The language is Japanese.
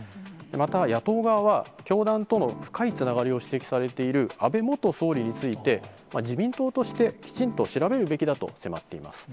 また野党側は、教団との深いつながりを指摘されている安倍元総理について、自民党として、きちんと調べるべきだと迫っています。